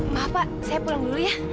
maaf pak saya pulang dulu ya